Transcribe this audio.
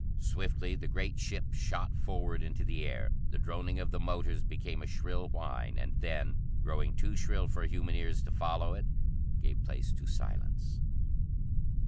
Swiftly the great ship shot forward into the air. The droning of the motors became a shrill whine, and then, growing too shrill for human ears to follow it, gave place to silence.